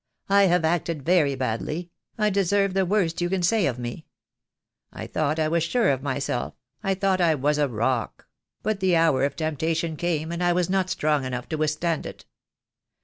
I have acted very badly — I deserve the worst you can say of me. I thought I was sure of myself, I thought I was rock; but the hour of temptation came, and I was not strong enough to withstand it.